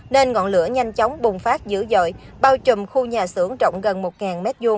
nên ngọn lửa nhanh chóng bùng phát dữ dội bao trùm khu nhà xưởng rộng gần một m hai